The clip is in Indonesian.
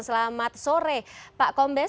selamat sore pak kombes